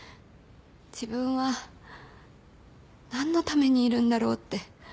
自分は何のためにいるんだろうって。